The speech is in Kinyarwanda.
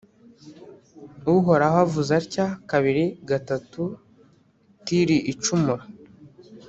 Uhoraho avuze atya Kabiri gatatu Tiri icumura !